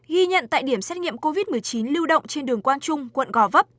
ghi nhận tại điểm xét nghiệm covid một mươi chín lưu động trên đường quang trung quận gò vấp